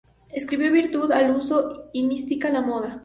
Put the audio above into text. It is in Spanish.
Escribió "Virtud al uso y mística a la moda.